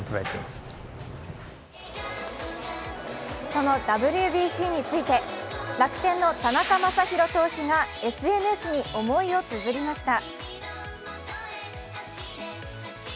そのＷＢＣについて楽天の田中将大投手がＳＮＳに思いをつづりました。